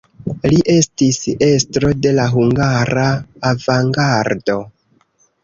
Li estis estro de la hungara avangardo.